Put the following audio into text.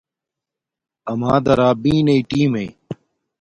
اَمݳ درݳبݵنݵئ ٹݵمݵئ.